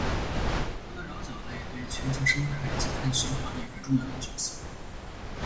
浮游的桡脚类对全球生态及碳循环有着重要的角色。